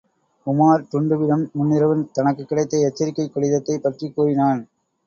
உமார் டுன்டுவிடம் முன்னிரவு தனக்குக்கிடைத்த எச்சரிக்கைக் கடிதத்தைப்பற்றிக் கூறினான்.